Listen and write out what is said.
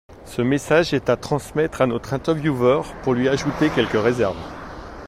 ce message est à transmettre à notre intervieveur pour lui ajouter quelques réserves